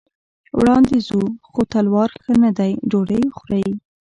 وړاندې ځو، خو تلوار ښه نه دی، ډوډۍ خورئ.